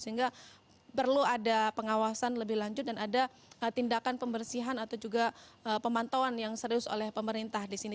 sehingga perlu ada pengawasan lebih lanjut dan ada tindakan pembersihan atau juga pemantauan yang serius oleh pemerintah di sini